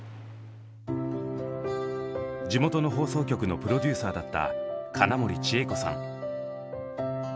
地元の放送局のプロデューサーだった金森千榮子さん。